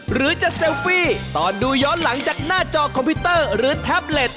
หรือจะเซลฟี่ตอนดูย้อนหลังจากหน้าจอคอมพิวเตอร์หรือแท็บเล็ต